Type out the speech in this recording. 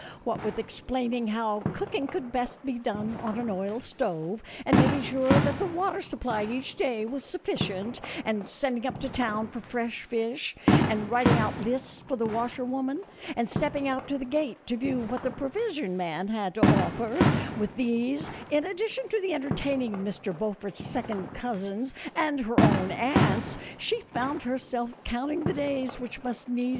What with explaining how cooking could best be done on an oil stove, and making sure that the water supply each day was sufficient, and sending up to town for fresh fish, and writing out lists for the washerwoman, and stepping out to the gate to view what the provision man had to offer ; with these, in addition to the entertaining of Mr. Beaufort's second cousins and her own aunts, she found herself counting the days which must need 222 A FURNISHED COTTAGE BY THE SEA.